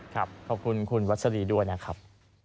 ขอบคุณคุณวัชรีด้วยนะครับ